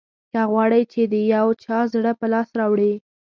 که غواړې چې د یو چا زړه په لاس راوړې.